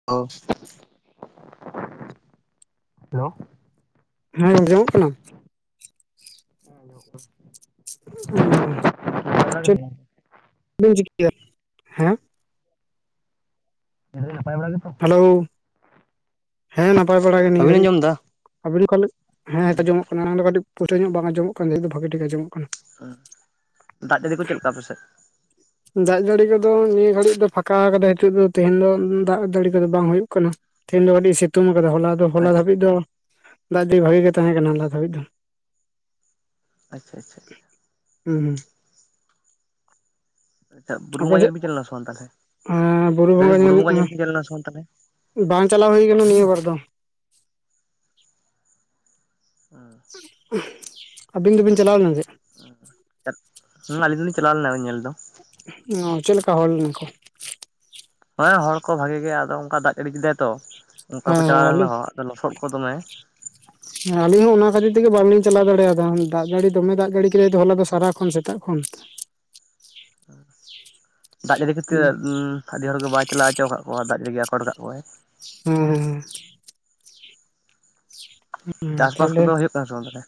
[inaudible] Hello ᱦᱮᱸ ᱟᱸᱡᱚᱢᱚᱜ ᱠᱟᱱᱟ? ᱚᱻ ᱪᱮᱫ ᱵᱤᱱ ᱪᱤᱠᱭᱟ, ᱦᱮᱸ? [unintelligible] ᱱᱟᱯᱟᱭ ᱵᱟᱲᱟ ᱜᱮ ᱦᱮᱞᱳ, ᱦᱮᱸ ᱱᱟᱯᱟᱭ ᱵᱟᱲᱟ ᱜᱮ ᱱᱤᱭᱟᱹ ᱵᱟᱹᱵᱤᱱ ᱜᱷᱟᱹᱲᱤᱡ᱾ ᱟᱸᱡᱚᱢ ᱮᱫᱟ? ᱟᱵᱤᱱ ᱚᱠᱷᱟᱹᱞᱤ ᱦᱮᱸᱛᱚ ᱡᱚᱢᱚᱜ ᱠᱟᱱᱟ ᱫᱚ ᱠᱟᱹᱴᱤᱡ ᱯᱚᱭᱥᱟ ᱧᱚᱜ ᱵᱟᱝ ᱟᱸᱚᱢᱚᱜ ᱠᱟᱱᱟ, ᱱᱤᱛ ᱫᱚ ᱵᱷᱟᱹᱜᱤ ᱴᱷᱤᱠ ᱟᱸ ᱡᱚᱢᱚᱜ ᱠᱟᱱᱟ᱾ ᱚ, ᱫᱟᱜ ᱡᱟᱹᱲᱤ ᱠᱚ ᱪᱮᱫ ᱞᱮᱠᱟ ᱟᱯᱮ ᱥᱮᱫ? ᱫᱟᱜ ᱡᱟᱹᱲᱤ ᱠᱚᱫᱚ ᱱᱤᱭᱟᱹ ᱜᱷᱟᱹᱲᱤᱡ ᱫᱚ ᱯᱷᱟᱠᱟ ᱠᱟᱫᱟ, ᱱᱤᱛᱚᱜ ᱫᱚ ᱛᱮᱦᱮᱧ ᱫᱚ ᱫᱟᱜ ᱡᱟᱹᱲᱤ ᱠᱚᱫᱚ ᱵᱟᱝ ᱦᱩᱭᱩᱜ ᱠᱟᱱᱟ᱾ ᱛᱤᱱᱧ ᱫᱚ ᱠᱟᱹᱴᱤᱡ ᱮ ᱥᱤᱛᱩᱝ ᱟᱠᱟᱫᱟ ᱦᱚᱞᱟ ᱫᱚ ᱦᱚᱞᱟ ᱟᱪᱪᱷᱟ ᱫᱷᱟᱹᱵᱤᱡ ᱫᱚ ᱫᱟᱜ ᱫᱤ ᱵᱷᱟᱜᱤ ᱜᱮ ᱛᱟᱦᱮᱸᱦᱮ ᱠᱟᱱᱟ ᱫᱷᱟᱹᱵᱤᱡ ᱫᱚ᱾ ᱟᱪᱪᱷᱟ ᱟᱪᱪᱷᱟ᱾ ᱦᱩᱸᱻ ᱟᱪᱪᱷᱟ ᱵᱩᱨᱩ ᱟᱯᱮ ᱵᱚᱸᱜᱟ ᱥᱮᱫ ᱧᱮᱞ ᱵᱤᱱ ᱪᱟᱞᱟᱣ ᱞᱮᱱᱟ ᱥᱮ ᱵᱟᱝ ᱛᱟᱦᱚᱞᱮ? ᱞᱮᱭᱫᱟᱞᱤᱧ ᱵᱩᱨᱩ ᱵᱚᱸᱜᱟ ᱧᱮᱞ ᱵᱮᱤᱱ ᱪᱮᱞ ᱞᱮᱱᱟ ᱥᱮ ᱵᱟᱝ ᱛᱟᱦᱚᱞᱮ? ᱵᱟᱝ ᱪᱟᱞᱟᱣ ᱦᱩᱭ ᱟᱠᱟᱱᱟ ᱱᱤᱭᱟᱹ ᱵᱟᱨ ᱫᱚ᱾ ᱚ, ᱟᱹᱵᱤᱱ ᱫᱚᱵᱤᱱ ᱪᱟᱞᱟᱣ ᱞᱮᱱ ᱥᱮ? ᱮᱫ ᱦᱩᱸ ᱟᱞᱤᱧ ᱫᱚᱞᱤᱧ ᱪᱟᱞᱟᱣ ᱞᱮᱱᱟ ᱧᱮᱞ ᱫᱚ᱾ ᱚ ᱪᱮᱫ ᱞᱮᱠᱟ ᱦᱚᱲ ᱞᱮᱱᱟ ᱠᱚ? ᱦᱮᱸ ᱦᱚᱲ ᱠᱚ ᱵᱷᱟᱜᱤ ᱜᱮ ᱟᱫᱚ ᱚᱱᱠᱟ ᱫᱟᱜ ᱡᱟᱹᱲᱤ ᱠᱮᱫᱟᱭ ᱛᱚ ᱚᱱᱠᱟ ᱠᱚ ᱦᱮᱸ ᱪᱟᱞᱟᱣ ᱞᱮᱱ ᱟᱹᱞᱤᱧ ᱨᱮᱦᱚᱸ ᱟᱫᱚ ᱞᱚᱥᱚᱫ ᱠᱚ ᱫᱚᱢᱮ ᱥᱟ ᱟᱞᱤᱧ ᱦᱚᱸ ᱚᱱᱟ ᱠᱷᱟᱹᱛᱤᱨ ᱛᱮᱜᱮ ᱵᱟᱝᱞᱤᱧ ᱪᱟᱞᱟᱣ ᱫᱟᱲᱮᱭᱟᱫᱟ, ᱫᱟᱜ ᱡᱟᱹᱲᱤ ᱫᱚᱢᱮ ᱫᱟᱜ ᱡᱟᱹᱲᱤ ᱠᱮᱫᱟᱭ ᱦᱚᱞᱟ ᱫᱚ ᱥᱟᱨᱟ ᱠᱷᱚᱱ ᱥᱮᱛᱟᱜ ᱠᱷᱚᱱ᱾ ᱥᱟᱻ ᱫᱟᱜ ᱡᱟᱹᱲᱤ ᱠᱷᱟᱹᱛᱤᱨ ᱤᱢᱻ ᱟᱹᱰᱤ ᱦᱚᱲ ᱜᱮ ᱵᱟᱭ ᱪᱟᱞᱟᱣ ᱦᱚᱪᱚ ᱠᱟᱜ ᱠᱚᱣᱟ ᱫᱟᱜ ᱡᱟᱹᱲᱤ ᱟᱠᱚᱴ ᱠᱟᱜ ᱠᱚᱣᱟᱭ᱾ ᱦᱩᱸᱻ [inaudible] ᱪᱟᱥᱵᱟᱥ ᱛᱟᱦᱞᱮ ᱠᱚᱫᱚ ᱦᱳᱭᱳᱜ ᱠᱟᱱᱟ ᱥᱮ ᱵᱟᱝ ᱛᱟᱦᱚᱞᱮ?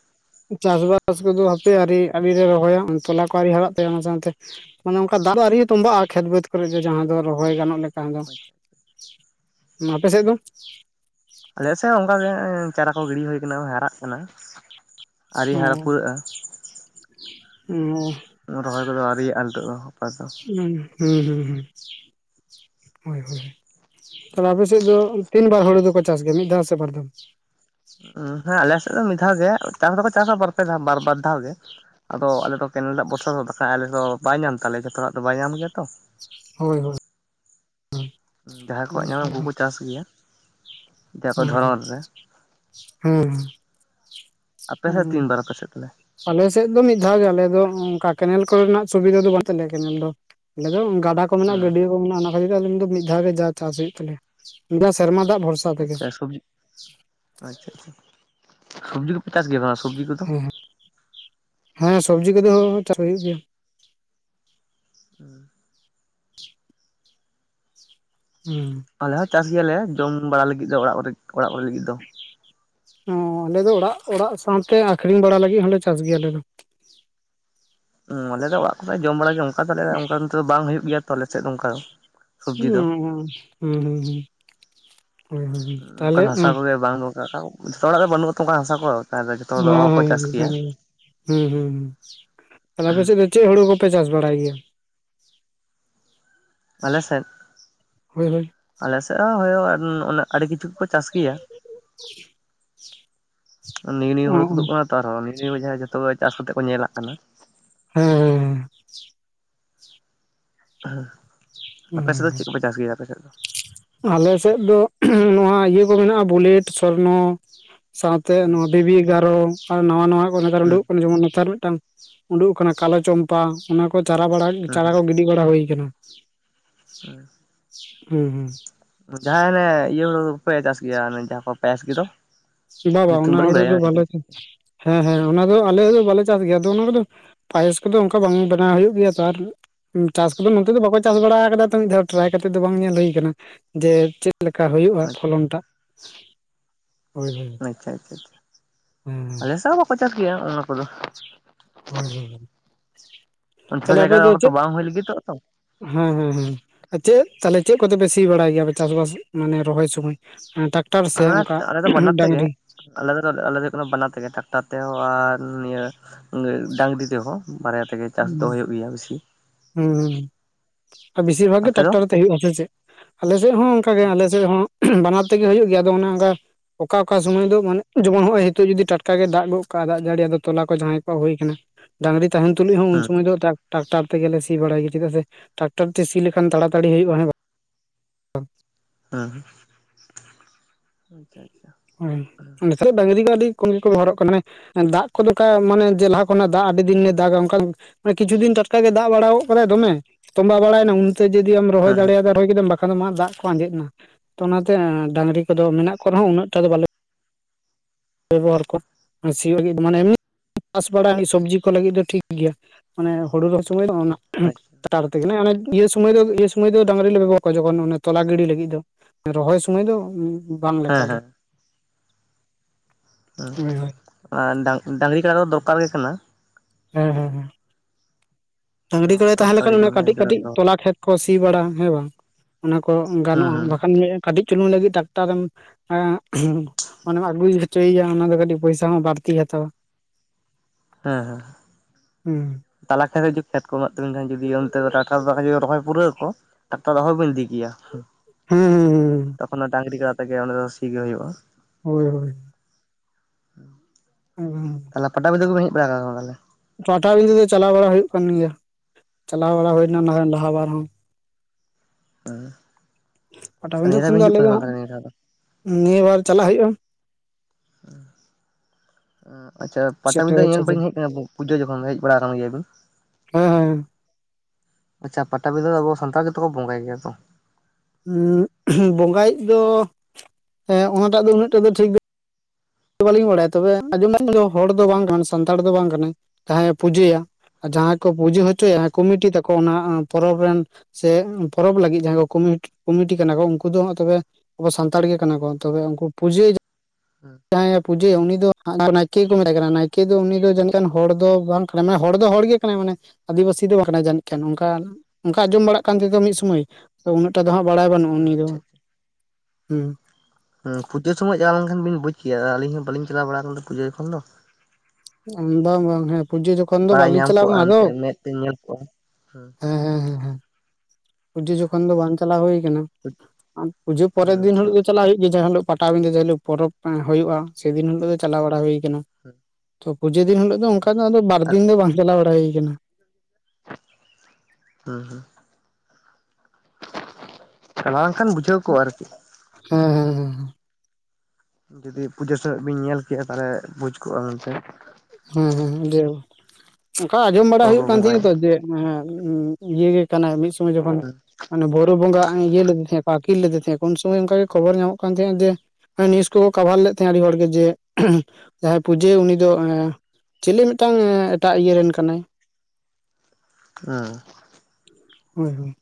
ᱪᱟᱥᱵᱟᱥ ᱠᱚᱫᱚ ᱦᱟᱯᱮ ᱟᱣᱨᱤ ᱟᱣᱨᱤ ᱞᱮ ᱨᱚᱦᱚᱭᱟ, ᱛᱚᱞᱟ ᱠᱚ ᱟᱣᱨᱤ ᱦᱟᱨᱟᱜ ᱛᱮ ᱚᱱᱟ ᱥᱟᱶᱛᱮ ᱢᱟᱱᱮ ᱚᱱᱠᱟ ᱫᱟᱜ ᱫᱚ ᱟᱣᱨᱤ ᱛᱚᱸᱵᱟᱜᱼᱟ ᱠᱷᱮᱛ ᱵᱟᱹᱫᱽ ᱠᱚᱨᱮ ᱡᱟᱸᱦᱟ ᱫᱚ ᱨᱚᱦᱚᱭ ᱜᱟᱱᱚᱜ ᱞᱮ ᱠᱟ ᱫᱚ, ᱟᱯᱮ ᱥᱮᱫ ᱫᱚ? ᱟᱞᱮ ᱥᱮᱫ ᱚᱱᱠᱟᱜᱮ ᱪᱟᱨᱟ ᱠᱚ ᱜᱤᱰᱤ ᱦᱳᱭ ᱟᱠᱟᱱᱟ ᱦᱟᱨᱟᱜ ᱠᱟᱱᱟ, ᱟᱹᱣᱨᱤ ᱚ, ᱦᱟᱨᱟ ᱯᱩᱨᱟᱹᱜᱼᱟ ᱚ᱾ ᱨᱚᱦᱚᱭ ᱠᱚᱫᱚ ᱟᱣᱨᱤᱟᱜ-ᱟ ᱱᱤᱛᱚᱜ ᱫᱚ ᱟᱯᱟᱛ ᱦᱩᱸ ᱦᱩᱸ ᱦᱩᱸ ᱦᱳᱭ ᱦᱳᱭ᱾ ᱛᱟᱦᱞᱮ ᱟᱯᱮ ᱥᱮᱫ ᱫᱚ ᱛᱤᱸᱱ ᱵᱟᱨ ᱦᱳᱲᱳ ᱫᱚᱠᱚ ᱪᱟᱥ ᱜᱮᱭᱟ ᱢᱤᱫ ᱫᱷᱟᱣ ᱥᱮ ᱵᱟᱨᱫᱷᱟᱣ? ᱦᱮᱸ ᱟᱞᱮ ᱥᱮᱫ ᱫᱚ ᱢᱤᱫ ᱫᱷᱟᱣ ᱜᱮ ᱪᱟᱥ ᱫᱚᱠᱚ ᱪᱟᱥᱟ ᱵᱟᱨ ᱯᱮ ᱫᱷᱟᱣ ᱵᱟᱨ ᱵᱟᱨ ᱫᱷᱟᱣ ᱜᱮ, ᱟᱫᱚ ᱟᱞᱮᱫᱚ ᱠᱮᱱᱮᱞ ᱫᱟᱜ ᱵᱚᱨᱥᱟ ᱫᱚ ᱵᱟᱠᱷᱟᱡ ᱟᱞᱮᱫᱚ ᱵᱟᱭ ᱧᱟᱢ ᱛᱟᱞᱮᱭᱟ ᱡᱷᱚᱛᱚ ᱦᱚᱲᱟᱜ ᱫᱚ ᱵᱟᱭ ᱧᱟᱢ ᱜᱮᱭᱟ ᱛᱚ, ᱦᱳᱭ ᱦᱳᱭ᱾ ᱡᱟᱦᱟᱸᱭ ᱠᱚᱣᱟᱜ ᱦᱳᱭ ᱧᱟᱢᱟ ᱩᱱᱠᱩ ᱠᱚ ᱪᱟᱥ ᱜᱮᱭᱟ᱾ ᱡᱟᱦᱟᱸ ᱠᱚ ᱦᱳᱭ ᱦᱳᱭ, ᱫᱷᱚᱨᱚᱱ ᱨᱮ ᱦᱩᱸ ᱦᱩᱸ᱾ ᱟᱯᱮ ᱥᱮᱫ ᱛᱤᱱ ᱵᱟᱨ ᱟᱯᱮ ᱥᱮᱫ ᱛᱟᱦᱞᱮ? ᱟᱞᱮ ᱥᱮᱫ ᱫᱚ ᱢᱤᱫ ᱫᱷᱟᱣ ᱜᱮ ᱟᱞᱮ ᱫᱚ ᱚᱱᱠᱟ ᱠᱮᱱᱮᱞ ᱠᱚᱨᱮᱱᱟᱜ ᱥᱩᱵᱤᱫᱷᱟ ᱫᱚ ᱵᱟᱱᱩᱜ ᱛᱟᱞᱮᱭᱟ ᱠᱮᱱᱮᱞ ᱫᱚ᱾ ᱟᱞᱮ ᱫᱚ ᱜᱟᱰᱟ ᱠᱚ ᱢᱮᱱᱟᱜᱼᱟ ᱦᱮᱸ ᱜᱟᱹᱰᱭᱟᱹ ᱠᱚ ᱢᱮᱱᱟᱜᱼᱟ ᱚᱱᱟ ᱠᱷᱟᱹᱛᱤᱨ ᱛᱮ ᱢᱤᱫ ᱫᱷᱟᱣ ᱜᱮ ᱡᱟ ᱪᱟᱥ ᱦᱩᱭᱩᱜ ᱛᱟᱞᱮᱭᱟ᱾ ᱡᱟ ᱥᱮᱨᱢᱟ ᱫᱟᱜ ᱵᱷᱚᱨ ᱟᱪᱪᱷᱟ ᱥᱚᱵᱡᱤ ᱟᱪᱪᱷᱟ ᱟᱪᱪᱷᱟ ᱥᱚᱵᱡᱤ ᱫᱚᱯᱮ ᱪᱟᱥ ᱜᱮᱭᱟ ᱵᱟᱝ ᱥᱚᱵᱡᱤ ᱠᱚᱫᱚ? ᱦᱮᱸ ᱦᱮᱸ ᱥᱚᱵᱽᱡᱤ ᱠᱚᱫᱚ ᱪᱟᱥ ᱦᱩᱭᱩᱜ ᱜᱮᱭᱟ᱾ ᱦᱩᱸ᱾ [unintelligible] ᱟᱞᱮ ᱦᱚᱸ ᱪᱟᱥ ᱜᱮᱭᱟᱞᱮ ᱡᱚᱢ ᱵᱟᱲᱟ ᱞᱟᱹᱜᱤᱫ ᱫᱚ ᱚᱲᱟᱜ ᱚᱲᱟᱜ ᱠᱚᱨᱮ ᱞᱟᱹᱜᱤᱫ ᱫᱚ᱾ ᱚ ᱟᱞᱮ ᱫᱚ ᱚᱲᱟᱜ ᱚᱲᱟᱜ ᱥᱟᱶᱛᱮ ᱟᱠᱠᱷᱨᱤᱧ ᱵᱟᱲᱟ ᱞᱟᱹᱜᱤᱫ ᱦᱚᱸᱞᱮ ᱪᱟᱥ ᱜᱮᱭᱟ ᱟᱞᱮ ᱫᱚ᱾ ᱟᱞᱮ ᱫᱚ ᱚᱲᱟᱜ ᱠᱚᱨᱮ ᱡᱚᱢ ᱵᱟᱲᱟ ᱜᱮᱭᱟ ᱚᱱᱠᱟ ᱫᱚ ᱟᱞᱮ ᱚᱱᱠᱟ ᱫᱚ ᱵᱟᱝ ᱦᱩᱭᱩᱜ ᱜᱮᱭᱟ ᱛᱚ ᱟᱞᱮᱥᱮᱫ ᱫᱚ ᱚᱱᱠᱟ ᱫᱚ᱾ ᱥᱚᱵᱽᱡᱤ ᱦᱮᱸ ᱫᱚ ᱦᱩᱸ ᱦᱩᱸ ᱦᱩᱸ ᱦᱳᱭ ᱦᱳᱭ ᱛᱟᱦᱞᱮ᱾ [inaudible] ᱡᱷᱚᱛᱚ ᱦᱚᱲᱟᱜ ᱜᱮ ᱵᱟᱹᱱᱩᱜ-ᱟ ᱛᱚ ᱚᱱᱠᱟᱱ ᱦᱟᱥᱟ ᱠᱚ ᱛᱟᱦᱚᱞᱮ ᱡᱷᱚᱛᱚ ᱦᱚᱲ ᱫᱚ ᱚᱦᱚ ᱠᱚ ᱪᱟᱥ ᱠᱮᱭᱟ᱾ ᱦᱩᱸ ᱦᱩᱸ ᱦᱩᱸ ᱟᱯᱮᱥᱮᱫ ᱫᱚ ᱪᱮᱫ ᱦᱳᱲᱳ ᱠᱚᱯᱮ ᱪᱟᱥ ᱵᱟᱲᱟᱭ ᱜᱮᱭᱟ᱾ ᱟᱞᱮᱥᱮᱫ ᱦᱳᱭ ᱦᱳᱭ ᱟᱞᱮᱥᱮᱫ ᱦᱚᱸ ᱦᱳᱭᱳᱟ ᱚᱱᱟ ᱟᱹᱰᱤ ᱠᱤᱪᱪᱷᱩ᱾ ᱪᱟᱥ ᱜᱮᱭᱟ ᱱᱤᱭᱩ ᱱᱤᱭᱩ ᱚ ᱦᱩᱲᱩ ᱦᱮᱸ ᱛᱩᱫᱩᱜ ᱠᱟᱱᱟ ᱛᱚ᱾ ᱟᱨᱦᱚ ᱱᱤᱭᱩ ᱱᱤᱭᱩ ᱡᱷᱚᱛᱚ ᱜᱮ ᱪᱟᱥ ᱠᱟᱛᱮ ᱠᱚ ᱧᱮᱞᱟᱜ ᱠᱟᱱᱟ᱾ [unintelligible] ᱦᱮ ᱟᱯᱮᱥᱮᱫ ᱦᱮᱸ ᱫᱚ ᱪᱮᱫ ᱠᱚᱯᱮ ᱪᱟᱥ ᱜᱮᱭᱟ ᱟᱯᱮᱥᱮᱫ ᱫᱚ᱾ ᱟᱞᱮ ᱥᱮᱫ ᱫᱚ ᱱᱚᱣᱟ ᱤᱭᱟᱹ ᱠᱚ ᱢᱮᱱᱟᱜᱼᱟ ᱵᱩᱞᱮᱴ ᱥᱚᱨᱱᱚ ᱥᱟᱶᱼᱼ ᱛᱮ ᱦᱩᱸ ᱫᱤᱵᱤ ᱮᱜᱟᱨᱚ ᱟᱨ ᱱᱟᱣᱟ ᱱᱟᱣᱟ ᱠᱚ ᱱᱮᱛᱟᱨ ᱩᱰᱩᱠ ᱦᱩᱸ ᱟᱠᱟᱱᱟ ᱡᱮᱢᱚᱱ ᱱᱮᱛᱟᱨ ᱢᱮᱫᱴᱟᱝ᱾ ᱩᱰᱩᱠ ᱟᱠᱟᱱᱟ ᱠᱟᱞᱚ ᱪᱚᱢᱯᱟ ᱚᱱᱟ ᱠᱚ ᱪᱟᱨᱟ ᱪᱟᱨᱟ ᱠᱚ ᱜᱤᱰᱤ ᱵᱟᱲᱟ ᱦᱩᱭ ᱠᱟᱱᱟ᱾ ᱦᱩᱸ ᱦᱩᱸ ᱡᱟᱸᱦᱟ ᱚᱱᱮ ᱤᱭᱟᱹ ᱦᱩᱲᱩ ᱫᱚᱯᱮ ᱪᱟᱥ ᱜᱮᱭᱟ ᱚᱱᱟ ᱡᱟᱸᱦᱟ ᱠᱚ ᱯᱟᱭᱮᱥ ᱜᱮᱫᱚ᱾ ᱵᱟᱵᱟ ᱚᱱᱟ ᱧᱩᱛᱩᱢ ᱵᱟᱹᱞᱤᱧ ᱦᱳᱲᱳ ᱵᱟᱲᱟᱭᱟ ᱫᱚ ᱵᱟᱞᱮ ᱪᱟᱥ ᱦᱮᱸ ᱦᱮᱸ ᱚᱱᱟ ᱫᱚ ᱟᱞᱮᱜᱮ ᱵᱟᱞᱮ ᱪᱟᱥ ᱜᱮᱭᱟ ᱟᱫᱚ ᱚᱱᱟ ᱠᱚᱫᱚ᱾ ᱯᱟᱭᱮᱥ ᱠᱚᱫᱚ ᱚᱱᱠᱟ ᱵᱟᱝ ᱵᱮᱱᱟᱣ ᱦᱳᱭᱳᱜ ᱜᱮᱭᱟ ᱛᱚ ᱟᱨ᱾ ᱪᱟᱥ ᱠᱚᱫᱚ ᱱᱚᱛᱮ ᱫᱚ ᱵᱟᱠᱚ ᱪᱟᱥ ᱵᱟᱲᱟ ᱠᱟᱫᱟ ᱛᱚ ᱢᱤᱫ ᱫᱷᱟᱣ ᱴᱮᱨᱟᱭ ᱠᱟᱛᱮᱜ ᱫᱚ ᱵᱟᱝ ᱧᱮᱞ ᱦᱩᱭ ᱟᱠᱟᱱᱟ ᱡᱮ ᱪᱮᱫ᱾ ᱪᱮᱫ ᱞᱮᱠᱟ ᱦᱩᱭᱩᱜ-ᱟ ᱟᱪᱪᱷᱟ ᱯᱷᱚᱞᱚᱱ ᱴᱟᱜ᱾ ᱦᱳᱭ ᱦᱳᱭ ᱟᱪᱪᱷᱟ ᱟᱪᱪᱷᱟ ᱟᱪᱪᱷᱟ, ᱦᱮᱸ ᱟᱞᱮᱥᱮᱫ ᱦᱚᱸ ᱵᱟᱠᱚ ᱪᱟᱥ ᱜᱮᱭᱟ ᱚᱱᱟ ᱠᱚᱫᱚ᱾ ᱦᱳᱭ ᱦᱳᱭ ᱟᱹᱱᱛᱷᱟᱲᱟ ᱛᱟᱦᱞᱮ ᱟᱯᱮ ᱡᱟᱭᱜᱟ ᱨᱮ ᱫᱚ ᱚᱱᱟ ᱪᱮᱫ ᱠᱚᱛᱚ ᱵᱟᱝ ᱦᱩᱭ ᱞᱟᱹᱜᱤᱫᱚᱜ-ᱟ ᱛᱚ᱾ ᱦᱮᱸ ᱦᱮᱸ ᱦᱮᱸ ᱪᱮᱫ ᱛᱟᱞᱦᱮ ᱪᱮᱫ ᱠᱚᱛᱮᱯᱮ ᱥᱤ ᱵᱟᱲᱟᱭ ᱜᱮᱭᱟ ᱪᱟᱥᱵᱟᱥ ᱢᱟᱱᱮ ᱨᱚᱦᱚᱭ ᱥᱚᱢᱚᱭ ᱴᱟᱠᱼᱼ ᱴᱟᱨ ᱥᱮ ᱦᱮᱸ ᱚᱱᱠᱟ ᱟᱞᱮ ᱫᱚ ᱵᱟᱱᱟᱨ ᱛᱮᱜᱮ ᱰᱟᱝᱨᱤ᱾ ᱟᱞᱮ ᱫᱚ ᱟᱞᱮ ᱫᱚ ᱵᱟᱱᱟᱨ ᱛᱮᱜᱮ ᱴᱨᱟᱠᱴᱟᱨ ᱛᱮᱦᱚ ᱟᱨ ᱱᱤᱭᱟᱹ᱾ ᱰᱟᱝᱨᱤ ᱛᱮᱸᱦᱚ ᱵᱟᱨᱭᱟ ᱛᱮᱜᱮ᱾ ᱪᱟᱥ ᱫᱚ ᱦᱩᱸ ᱦᱩᱭᱩᱜ ᱜᱮᱭᱟ ᱵᱮᱥᱤ ᱦᱩᱸ ᱟᱨ ᱵᱮᱥᱤᱨ ᱵᱷᱟᱜᱽ ᱜᱮ ᱟᱯᱮ ᱫᱚ ᱴᱨᱟᱠᱴᱟᱨ ᱛᱮ ᱦᱩᱭᱩᱜ-ᱟ ᱥᱮᱪᱮᱫ᱾ ᱟᱞᱮᱥᱮᱫ ᱦᱚᱸ ᱚᱱᱠᱟᱜᱮ ᱟᱞᱮᱥᱮᱫ ᱦᱚᱸ ᱵᱟᱱᱟᱨ ᱛᱮᱜᱮ ᱦᱩᱭᱩᱜ ᱜᱮᱭᱟ ᱟᱫᱚ ᱚᱱᱮ ᱚᱱᱠᱟ᱾ ᱚᱠᱟ ᱚᱠᱟ ᱥᱚᱢᱚᱭ ᱫᱚ ᱢᱟᱱᱮ ᱡᱮᱢᱚᱱ ᱦᱚᱜ ᱚᱭ ᱱᱤᱛᱚᱜ ᱡᱩᱫᱤ ᱴᱟᱠᱟᱭ ᱜᱮᱭ ᱫᱟᱜ ᱜᱚᱫ ᱠᱟᱜ-ᱟ, ᱫᱟᱜ ᱡᱟᱹᱲᱤ ᱟᱫᱚ ᱛᱚᱞᱟ ᱠᱚ ᱡᱟᱦᱟᱸᱭ ᱠᱚᱣᱟᱜ ᱦᱩᱭ ᱠᱟᱱᱟ᱾ ᱰᱟᱝᱨᱤ ᱛᱟᱦᱮᱱ ᱛᱩᱞᱩᱡ ᱦᱚᱸ ᱩᱱ ᱦᱮᱸ ᱥᱚᱢᱚᱭ ᱫᱚ ᱴᱟᱠᱴᱟᱨ ᱛᱮᱜᱮᱞᱮ ᱥᱤ ᱵᱟᱲᱟᱭ ᱜᱮᱭᱟ ᱪᱮᱫᱟᱜ ᱥᱮ ᱴᱨᱟᱠᱴᱟᱨ ᱛᱮ ᱥᱤ ᱞᱮᱠᱷᱟᱱ ᱛᱟᱲᱟᱛᱟᱲᱤ ᱦᱩᱭᱩᱜᱼᱟ ᱦᱮ ᱵᱟᱝ᱾ [unintelligible] ᱦᱮᱸ ᱟᱪᱪᱷᱟ ᱟᱪᱪᱷᱟ ᱦᱮ ᱱᱤᱛᱚᱜ ᱰᱟᱝᱨᱤ ᱫᱚ ᱟᱹᱰᱤ ᱠᱚᱢ ᱜᱮᱠᱚ ᱵᱮᱵᱚᱦᱟᱨᱚᱜ ᱠᱟᱱᱟ ᱢᱟᱱᱮ᱾ ᱫᱟᱜ ᱠᱚᱫᱚ ᱚᱱᱠᱟ ᱢᱟᱱᱮ ᱡᱮ ᱞᱟᱦᱟ ᱠᱷᱚᱱᱟᱜ ᱫᱟᱜ ᱟᱹᱰᱤ ᱫᱤᱱ ᱮ ᱫᱟᱜᱼᱟ ᱚᱱᱠᱟ᱾ ᱠᱤᱪᱷᱩ ᱫᱤᱱ ᱴᱟᱴᱠᱟᱭ ᱜᱮᱭ ᱫᱟᱜ ᱵᱟᱲᱟ ᱜᱚᱫ ᱠᱟᱫᱟᱭ ᱫᱚᱢᱮ ᱛᱚᱸᱵᱟ ᱵᱟᱲᱟᱭ ᱱᱟ᱾ ᱛᱮ ᱡᱩᱫᱤᱢ ᱨᱚᱦᱚᱭ ᱦᱮᱸ ᱫᱟᱲᱮᱭᱟᱫᱟ ᱨᱚᱦᱚᱭ ᱠᱮᱫᱟᱢ ᱵᱟᱠᱷᱟᱱ ᱫᱚ ᱢᱟ ᱫᱟᱜ ᱠᱚ ᱟᱸᱡᱮᱫ ᱱᱟ ᱛᱚ ᱚᱱᱟᱛᱮ ᱰᱟᱝᱨᱤ ᱠᱚᱫᱚ ᱢᱮᱱᱟᱜ᱾ ᱠᱚᱨᱮ ᱦᱚᱸ ᱩᱱᱟᱹᱜ ᱴᱟ ᱫᱚ ᱵᱟᱞᱮ᱾ ᱵᱮᱵᱚᱦᱟᱨ ᱠᱚᱣᱟ ᱥᱤᱭᱚᱜ ᱞᱟᱹᱜᱤᱫ ᱢᱟᱱᱮ ᱮᱢᱱᱤ ᱪᱟᱥ ᱵᱟᱲᱟᱭ ᱞᱟ. ᱜᱤᱫ ᱥᱚᱵᱽᱡᱤ ᱠᱚ ᱞᱟᱹᱜᱤᱫ ᱫᱚ ᱴᱷᱤᱠ ᱜᱮᱭᱟ᱾ ᱢᱟᱱᱮ ᱦᱩᱲᱩ ᱨᱚᱦᱚᱭ ᱥᱚᱢᱚᱭ ᱫᱚ ᱚᱱᱟ ᱟᱪᱪᱷᱟ ᱴᱨᱮᱠᱴᱟᱨ ᱛᱮᱜᱮ [inaudible] ᱤᱭᱟᱹ ᱥᱚᱢᱚᱭ ᱫᱚ ᱤᱭᱟᱹ ᱥᱚᱢᱚᱭ ᱫᱚ ᱰᱟᱝᱨᱤ ᱞᱮ ᱵᱮᱵᱚᱦᱟᱨ ᱠᱚᱣᱟ, ᱡᱚᱠᱷᱚᱱ ᱚᱱᱟ ᱛᱚᱞᱟ ᱜᱤᱰᱤ ᱞᱟᱹᱜᱤᱫ ᱫᱚ ᱨᱚᱦᱚᱭ ᱥᱚᱢᱚᱭ ᱫᱚ᱾ ᱵᱟᱝ ᱞᱮᱠᱟ ᱦᱮᱸ ᱜᱮ᱾ ᱦᱳᱭ ᱦᱳᱭ ᱚ ᱟᱨ ᱰᱟᱝᱨᱤ ᱠᱟᱰᱟ ᱫᱚ ᱫᱚᱨᱠᱟᱨ ᱜᱮ ᱠᱟᱱᱟ᱾ ᱦᱮᱸ ᱦᱮᱸ ᱦᱮᱸ, ᱰᱟᱝᱨᱤ ᱠᱟᱰᱟᱭ ᱫᱚᱨᱠᱟᱨ ᱜᱮ ᱛᱟᱦᱮᱸᱞᱮᱠᱷᱟᱱ ᱠᱟᱱᱟ ᱠᱟᱹᱴᱤᱡ ᱠᱟᱹᱴᱤᱡ ᱫᱚ ᱛᱚᱞᱟ ᱠᱷᱮᱛ ᱠᱚ ᱥᱤ ᱵᱟᱲᱟ ᱦᱮᱸ ᱵᱟᱝ᱾ ᱚᱱᱟ ᱠᱚ ᱦᱩᱸ ᱜᱟᱱᱚᱜ-ᱟ ᱦᱩᱸ ᱵᱟᱠᱷᱟᱱ ᱠᱟᱹᱴᱤᱡ ᱪᱩᱞᱩᱝ ᱞᱟᱹᱜᱤᱫ ᱴᱟᱠᱴᱟᱨᱮᱢ, ᱦᱸ ᱢᱟᱱᱮᱢ ᱟᱹᱜᱩᱭ ᱦᱚᱪᱚᱭ ᱭᱟ ᱚᱱᱟ ᱫᱚ ᱠᱟᱹᱴᱤᱡ ᱯᱚᱭᱥᱟ ᱦᱚᱸ ᱵᱟᱹᱲᱛᱤᱭ ᱦᱟᱛᱟᱣᱟ᱾ ᱦᱮᱸ ᱦᱮᱸ᱾ ᱦᱩᱸ, ᱛᱟᱞᱟ ᱠᱷᱮᱛ ᱨᱮ ᱡᱩᱫᱤ ᱠᱷᱮᱛ ᱠᱚ ᱢᱮᱱᱟᱜ ᱛᱟᱵᱤᱱ ᱠᱷᱟᱱ ᱡᱩᱫᱤ ᱚᱱᱛᱮ ᱫᱚ ᱴᱟᱴᱠᱟᱭ ᱠᱚ ᱨᱚᱦᱚᱭ ᱯᱩᱨᱟᱹᱣ ᱟᱠᱚᱚ ᱴᱟᱠᱴᱚᱨ ᱚᱦᱚ ᱵᱤᱱ ᱤᱫᱤ ᱠᱮᱭᱟ, ᱦᱮᱸ ᱦᱮᱸ ᱦᱮᱸ, ᱛᱚᱠᱷᱚᱱ ᱫᱚ ᱰᱟᱝᱨᱤ ᱠᱟᱰᱟ ᱛᱮᱜᱮ ᱚᱸᱰᱮ ᱫᱚ ᱥᱤ ᱜᱮ ᱦᱩᱭᱩᱜ-ᱟ᱾ ᱦᱳᱭ ᱦᱳᱭ᱾ ᱦᱮᱸ [inaudible] ᱦᱩᱸ ᱦᱩᱸ ᱛᱟᱞᱦᱮ ᱯᱟᱴᱟᱵᱤᱫᱟᱹ ᱠᱚᱵᱮᱱ ᱦᱮᱡ ᱵᱟᱲᱟᱣ ᱠᱟᱱᱟ ᱥᱮ ᱵᱟᱝ ᱛᱟᱞᱦᱮ? ᱯᱟᱴᱟᱵᱤᱫᱟᱹ ᱫᱚ ᱪᱟᱞᱟᱣ ᱵᱟᱲᱟ ᱦᱩᱭᱩᱜ ᱠᱟᱱ ᱜᱮᱭᱟ ᱪᱟᱞᱟᱣ ᱵᱟᱲᱟ ᱦᱩᱭ ᱞᱮᱱᱟ ᱞᱟᱦᱟ ᱵᱟᱨ ᱦᱚᱸ᱾ ᱚ ᱯᱟᱴᱟᱵᱤᱸᱫᱟᱹ ᱱᱤᱭᱟᱹ ᱫᱷᱟᱣ ᱠᱷᱚᱱ ᱵᱤᱱ ᱫᱚ ᱦᱤᱡᱩᱜ ᱟᱞᱮ ᱠᱟᱱᱟ ᱫᱚ ᱥᱮ ᱵᱟᱝ ᱦᱟᱸᱜ ᱛᱟᱞᱦᱮ ᱱᱤᱭᱟᱹ ᱫᱷᱟᱣ ᱫᱚ, ᱱᱤᱭᱟᱹ ᱵᱟᱨ ᱪᱟᱞᱟᱜ ᱦᱩᱭᱩᱜ-ᱟ᱾ ᱦᱚᱸ [inaudible] ᱟᱪᱪᱷᱟ ᱯᱟᱴᱟᱵᱤᱫᱟᱹ ᱥᱮᱴᱮᱨ ᱥᱮᱴᱮᱨ ᱧᱮᱞᱵᱟᱞᱤᱧ ᱦᱮᱡ ᱟᱠᱟᱱᱟ ᱯᱩᱡᱟᱹ ᱡᱚᱠᱷᱚᱱ ᱫᱚ ᱦᱮᱡ ᱵᱟᱲᱟᱣ ᱠᱟᱱ ᱜᱮᱭᱟᱵᱤᱱ? ᱦᱮᱸ ᱦᱮᱸᱻᱦᱮᱸ᱾ ᱟᱪᱪᱷᱟ ᱯᱟᱛᱟᱵᱤᱫᱟᱹ ᱫᱚ ᱟᱵᱚ ᱥᱟᱱᱛᱟᱲ ᱜᱮᱛᱚᱠᱚ ᱵᱚᱸᱜᱟᱭ ᱜᱮᱭᱟ ᱛᱚ, ᱳᱢ ᱵᱚᱸᱜᱟᱭᱤᱡ ᱫᱚ ᱚᱱᱟᱴᱟᱜ ᱫᱚ ᱩᱱᱟᱹᱜ ᱴᱟ ᱫᱚ ᱴᱷᱤᱠ ᱫᱚ ᱫᱚ ᱵᱟᱹᱞᱤᱧ ᱵᱟᱲᱟᱭᱟ ᱛᱚᱵᱮ ᱟᱸᱚᱢ ᱦᱚᱲ ᱫᱚᱭ ᱵᱟᱝ ᱠᱟᱱᱟ ᱥᱟᱱᱛᱟᱲ ᱫᱚᱭ ᱵᱟᱝ ᱠᱟᱱᱟ ᱡᱟᱦᱟᱸᱭᱮ ᱯᱩᱡᱟᱹᱭᱟ᱾ ᱡᱟᱦᱟᱸᱭ ᱠᱚ ᱯᱩᱡᱟᱹ ᱦᱚᱪᱚᱭᱟ ᱟᱪᱪᱷᱟ ᱠᱚᱢᱤᱴᱤ ᱛᱟᱠᱚ ᱚᱱᱟ ᱚ ᱯᱚᱨᱚᱵᱽ ᱨᱮᱱ, ᱥᱮ ᱯᱚᱨᱚᱵᱽ ᱞᱟᱹᱜᱤᱫ ᱡᱟᱦᱟᱸᱭ ᱠᱚ ᱠᱚᱢᱤᱴᱤ ᱠᱟᱱᱟ ᱠᱚ ᱩᱱᱠᱩ ᱫᱚ ᱦᱟᱜ ᱛᱚᱵᱮ ᱟᱵᱚ ᱥᱟᱱᱛᱟᱲ ᱜᱮ ᱠᱟᱱᱟ ᱠᱚ ᱛᱚᱵᱮ ᱩᱱᱠᱩ ᱯᱩᱡᱟᱹᱭ, ᱦᱩᱸ ᱡᱟᱦᱟᱸᱭᱮ ᱯᱩᱡᱟᱹᱭᱟ ᱩᱱᱤ ᱫᱚ ᱱᱟᱭᱠᱮ ᱠᱚ ᱢᱮᱛᱟᱭ ᱠᱟᱱᱟ ᱱᱟᱭᱠᱮ ᱫᱚ ᱩᱱᱤ ᱫᱚ ᱡᱟᱹᱱᱤᱜ ᱦᱚᱲ ᱫᱚ ᱵᱟᱝ, ᱠᱟᱱᱟ ᱦᱚᱲ ᱫᱚ ᱦᱚᱲ ᱜᱮ ᱠᱟᱱᱟᱭ ᱢᱟᱱᱮ ᱟᱹᱫᱤᱵᱟᱹᱥᱤ ᱫᱚ ᱵᱟᱝ ᱠᱟᱱᱟᱭ ᱡᱟᱹᱱᱤᱡ ᱠᱷᱟᱱ ᱚᱱᱠᱟ ᱱᱟᱜ, ᱚᱱᱠᱟ ᱟᱸᱡᱚᱢ ᱵᱟᱲᱟᱜ ᱠᱟᱱ ᱛᱟᱦᱮ ᱫᱚ ᱢᱤᱫ ᱥᱩᱢᱚᱭ ᱟᱫᱚ ᱩᱱᱟᱹᱜ ᱴᱟᱜ ᱫᱚ ᱦᱟᱜ ᱵᱟᱲᱟᱭ ᱵᱟᱹᱱᱩᱜᱼᱟ ᱦᱩᱸ ᱩᱱᱤ ᱫᱚ ᱟᱪᱪᱷᱟ ᱟᱪᱪᱷᱟ᱾ ᱦᱮᱸ, ᱯᱩᱡᱟᱹ ᱥᱚᱢᱚᱭ ᱪᱟᱞᱟᱣ ᱞᱮᱢᱱᱠᱷᱟᱱ ᱵᱤᱱ ᱵᱩᱡ ᱠᱮᱭᱟ ᱟᱹᱞᱤᱧ ᱦᱚᱸ ᱵᱟᱞᱤᱧ ᱪᱟᱞᱟᱣ ᱵᱟᱲᱟ ᱟᱠᱟᱱᱟ ᱯᱩᱡᱟᱹ ᱡᱚᱠᱷᱚᱱ ᱫᱚ, ᱵᱟᱝ ᱵᱟᱝ ᱦᱮᱸ ᱯᱩᱡᱟᱹ ᱡᱚᱠᱷᱚᱱ ᱫᱚ ᱵᱟᱲᱟᱭ ᱵᱟᱹᱞᱤᱧ ᱧᱟᱢ ᱪᱟᱞᱟᱣ ᱠᱚᱜᱼᱟ ᱠᱟᱱᱟ ᱟᱫᱚ ᱮᱱᱛᱮ ᱢᱮᱸᱫ ᱛᱮ ᱧᱮᱞ ᱠᱚᱜᱼᱟ᱾ ᱦᱩᱸ ᱦᱮᱸ ᱦᱮᱸ ᱦᱮᱸ ᱯᱩᱡᱟᱹ ᱡᱚᱠᱷᱚᱱ ᱫᱚ ᱵᱟᱝ ᱪᱟᱞᱟ ᱦᱩᱭ ᱠᱟᱱᱟ ᱟᱨ ᱯᱩᱡᱟᱹ ᱯᱚᱨᱮᱨ ᱫᱤᱱ ᱟᱪᱪᱷᱟ ᱦᱤᱞᱳᱜ ᱫᱚ ᱟᱪᱪᱷᱟ ᱪᱟᱞᱟᱜ ᱦᱩᱭᱩᱜ ᱡᱮ ᱡᱟᱦᱟᱸ ᱦᱤᱞᱳᱜ ᱯᱟᱴᱟ ᱵᱤᱫᱷᱟᱹ ᱡᱮ ᱦᱤᱞᱳᱜ ᱯᱚᱨᱚᱵᱽ ᱦᱩᱭᱩᱜᱼᱟ ᱥᱮ ᱫᱤᱱ ᱦᱤᱞᱳᱜ ᱫᱚ ᱪᱟᱞᱟᱣ ᱵᱟᱲᱟ ᱦᱩᱭ, ᱠᱟᱱᱟ, ᱦᱩᱸ ᱛᱚ ᱯᱩᱡᱟᱹ ᱫᱤᱱ ᱦᱤᱞᱳᱜ ᱫᱚ ᱚᱱᱠᱟ ᱫᱚ ᱵᱟᱨ ᱟᱨ ᱫᱤᱱ ᱫᱚ ᱵᱟᱝ ᱪᱟᱞᱟᱣ ᱵᱟᱲᱟ ᱦᱩᱭ ᱠᱟᱱᱟ᱾ ᱦᱩᱸ ᱦᱩᱸ, ᱪᱟᱞᱟᱣ ᱞᱮᱠᱷᱟᱱ ᱵᱩᱡᱷᱟᱹᱣ ᱠᱚᱜᱼᱟ ᱟᱨᱠᱤ, ᱦᱮᱸ ᱦᱮᱸ ᱦᱮᱸ᱾ ᱡᱩᱫᱤ ᱯᱩᱡᱟᱹ ᱥᱚᱢᱚᱜ ᱵᱤᱱ ᱧᱮᱞ ᱠᱮᱜᱼᱟ ᱛᱟᱦᱚᱞᱮ ᱵᱩᱡᱽ ᱠᱚᱜᱼᱟ ᱢᱮᱱᱛᱮ, ᱦᱮᱸ ᱦᱮᱸᱸ ᱡᱮ ᱚᱱᱠᱟ ᱟᱸᱡᱚᱢ ᱵᱟᱲᱟ ᱚᱠᱚᱭ ᱠᱚ ᱦᱩᱭᱩᱜ ᱠᱟᱱ ᱛᱚ ᱟ ᱵᱚᱸᱜᱟᱭᱟ ᱛᱚ [unintelligible] ᱡᱮ [unintelligible] ᱤᱭᱟᱹ ᱜᱮ ᱠᱟᱱᱟᱭ ᱢᱤᱫ ᱥᱚᱢᱚᱭ ᱡᱚᱠᱷᱚᱱ ᱦᱩᱸ ᱢᱟᱱᱮ ᱵᱳᱨᱳ ᱵᱚᱸᱜᱟ ᱤᱭᱟᱹ ᱞᱮᱫᱮ ᱛᱟᱦᱮᱸᱜ ᱟᱠᱤᱨ ᱞᱮᱫᱮ ᱛᱟᱦᱮᱸᱫ ᱠᱚ ᱩᱱ ᱥᱚᱢᱚᱭ ᱚᱱᱠᱟᱜ ᱜᱮ ᱠᱷᱚᱵᱚᱨ ᱧᱟᱢᱚᱜ ᱠᱟᱱ ᱛᱟᱦᱮᱸᱜ ᱡᱮ, ᱱᱤᱭᱩᱡ ᱠᱚᱠᱚ ᱠᱟᱵᱷᱟᱨ ᱞᱮᱫ ᱛᱟᱦᱮᱸᱫ ᱟᱹᱰᱤ ᱦᱚᱲ ᱜᱮ ᱡᱮ ᱡᱟᱦᱟᱸᱭ ᱯᱩᱡᱟᱹᱭᱟ ᱩᱱᱤ ᱫᱚ ᱪᱤᱞᱤ ᱢᱤᱫᱴᱟᱝ ᱮᱴᱟᱜ ᱤᱭᱟᱹᱨᱮᱱ ᱠᱟᱱᱟᱭ᱾ [unintelligible] ᱦᱳᱭ ᱦᱳᱭ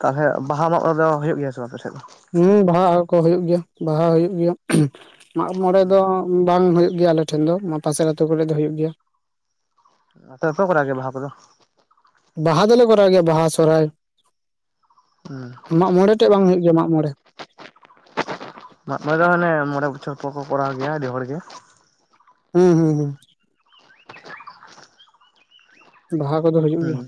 ᱛᱟᱦᱚᱞᱮ ᱵᱟᱦᱟ ᱢᱟᱜ ᱢᱚᱲᱮ ᱫᱚ ᱦᱩᱭᱩᱜ ᱜᱮᱭᱟ ᱥᱮ ᱟᱯᱮᱥᱮᱫ ᱫᱚ? ᱦᱩᱸ ᱵᱟᱦᱟ ᱠᱚ ᱦᱩᱭᱩᱜ ᱜᱮᱭᱟ ᱵᱟᱦᱟ ᱦᱩᱭᱩᱜ ᱜᱮᱭᱟ, ᱢᱟᱜ ᱢᱚᱲᱮ ᱦᱩᱸ ᱫᱚ ᱩ ᱵᱟᱝ ᱦᱳᱭᱳᱜ ᱜᱮᱭᱟ ᱟᱞᱮᱴᱷᱮᱱ ᱫᱚ ᱯᱟᱥᱮᱨ ᱟᱹᱛᱩ ᱠᱚᱨᱮ ᱫᱚ ᱦᱩᱭᱩᱜ ᱜᱮᱭᱟ [unintelligible] ᱵᱟᱯᱮ ᱠᱚᱨᱟᱣ ᱜᱮᱭᱟ ᱵᱟᱦᱟ ᱠᱚᱫᱚ? ᱵᱟᱦᱟ ᱫᱚᱞᱮ ᱠᱚᱨᱟᱣ ᱜᱮᱭᱟ ᱵᱟᱦᱟ ᱥᱚᱨᱦᱟᱭ ᱩᱸ ᱢᱟᱜ ᱢᱚᱬᱮ ᱴᱮᱡ ᱵᱟᱝ ᱦᱩᱭᱩᱜ ᱜᱮᱭᱟ ᱢᱟᱜ ᱢᱚᱬᱮ ᱢᱟᱜ ᱢᱚᱬᱮ ᱫᱚ ᱦᱟᱱᱮ ᱢᱚᱬᱮ ᱵᱚᱪᱷᱚᱨ ᱯᱚᱨ ᱠᱚ ᱠᱚᱨᱟᱣ ᱜᱮᱭᱟ ᱟᱹᱰᱤ ᱦᱚᱲ ᱜᱮ ᱦᱩᱸ ᱦᱩᱸ ᱦᱩᱸ ᱵᱟᱦᱟ ᱠᱚᱫᱚ ᱦᱩᱭᱩᱜ ᱦᱩᱸ ᱜᱮᱭᱟ